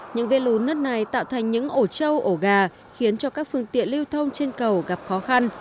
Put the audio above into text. những vết lún nứt này tạo thành những ổ trâu ổ gà khiến cho các phương tiện lưu thông trên cầu gặp khó khăn